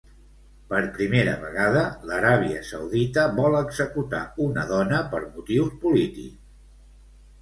Per primera vegada, l'Aràbia Saudita vol executar una dona per motius polítics.